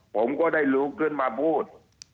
ผมก็ได้ลุกขึ้นมาพูด